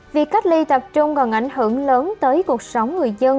việc cách ly tập trung còn ảnh hưởng lớn tới cuộc sống người dân